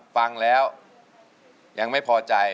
ฟังแล้วยังไม่พอใจ